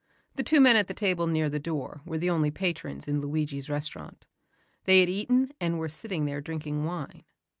The two men at the table near the door were the only patrons in Luigi's restaurant. They had eaten and were sitting there drinking wine.